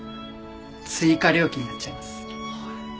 追加料金になっちゃいます。